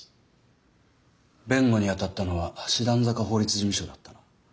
弁護に当たったのは師団坂法律事務所だったな。